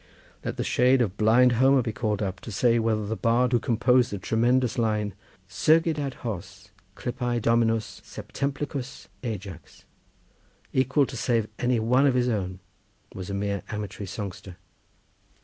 Let the shade of blind Homer be called up to say whether the bard who composed the tremendous line— "Surgit ad hos clypei dominus septemplicis Ajax"— equal to any save one of his own, was a mere amatory songster.